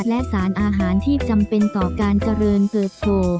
และสารอาหารที่จำเป็นต่อการเจริญเติบโต